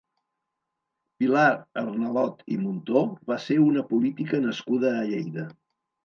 Pilar Arnalot i Muntó va ser una política nascuda a Lleida.